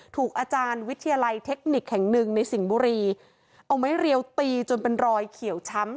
ถูกอาจารย์วิทยาลัยเทคนิคแห่งหนึ่งในสิงห์บุรีเอาไม้เรียวตีจนเป็นรอยเขียวช้ำ